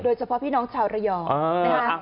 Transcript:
โดยเฉพาะพี่น้องชาวระยอง